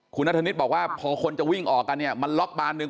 คุณนัทธนิษฐ์บอกว่าพอคนจะวิ่งออกกันเนี่ยมันล็อกบานหนึ่ง